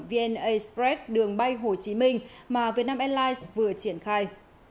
vna spread đường bay hồ chí minh mà vietnam airlines vừa triển khai